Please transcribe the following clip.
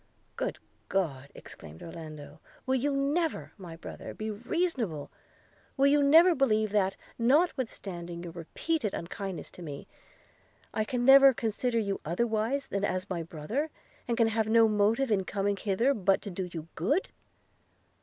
'Good God!' exclaimed Orlando, "will you never, my brother, be reasonable? Will you never believe that, notwithstanding your repeated unkindness to me, I can never consider you otherwise than as my brother, and can have no motive in coming hither but to do you good?'